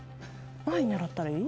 何位狙ったらいい？